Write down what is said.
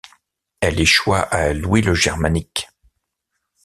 Elle échoit à Louis le Germanique.